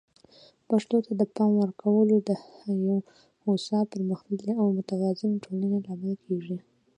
پښتو ته د پام ورکول د یو هوسا، پرمختللي او متوازن ټولنې لامل کیږي.